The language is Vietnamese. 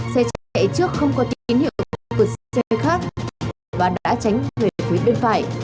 xe chạy trước không có tín hiệu vượt xe khác và đã tránh về phía bên phải